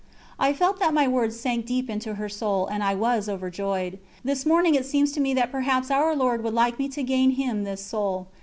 I felt that my words sank deep into her soul, and I was overjoyed. This morning it seems to me that perhaps Our Lord would like me to gain Him this soul.